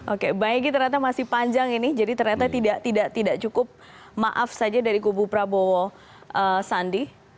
oke bang egy ternyata masih panjang ini jadi ternyata tidak cukup maaf saja dari kubu prabowo sandi